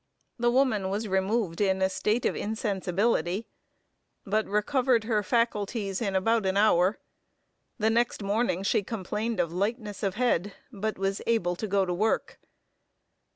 The woman was removed in a state of insensibility; but recovered her faculties in about an hour. The next morning she complained of lightness of head, but was able to go to work.